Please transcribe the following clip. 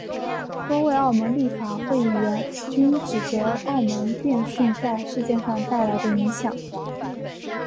多位澳门立法会议员均指责澳门电讯在事件上带来的影响。